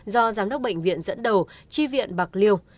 do giám đốc bệnh viện dẫn đầu chi viện bạc liêu